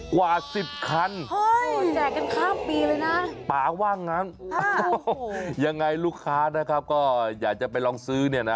กว่า๑๐คันป๊าว่างนั้นยังไงลูกค้านะครับก็อยากจะไปลองซื้อเนี่ยนะ